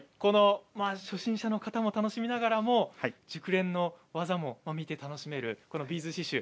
初心者の方も楽しみながらも熟練の技も見て楽しめるこのビーズ刺しゅう